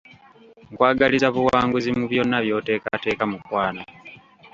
Nkwagaliza buwanguzi mu byonna by’oteekateeka mukwano.